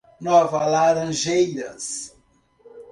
Nova Laranjeiras